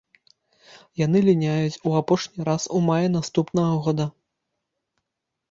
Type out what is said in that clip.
Яны ліняюць у апошні раз у маі наступнага года.